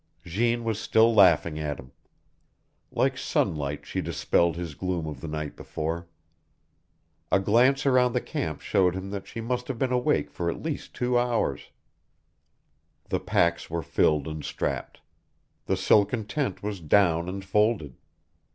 Jeanne was still laughing at him. Like sunlight she dispelled his gloom of the night before. A glance around the camp showed him that she must have been awake for at least two hours. The packs were filled and strapped. The silken tent was down and folded.